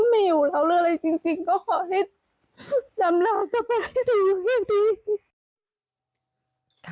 ไม่อยู่แล้วเรื่องอะไรจริงก็ขอให้ดำนาให้ดู